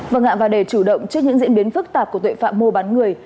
và ngạm vào đề chủ động trước những diễn biến phức tạp của tội phạm mô bán người